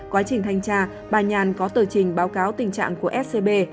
quá trình thanh tra bà nhàn có tờ trình báo cáo tình trạng của scb